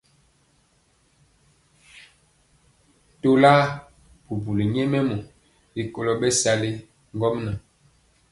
Tɔlar bubuli nyɛmemɔ rikolo bɛsali ŋgomnaŋ.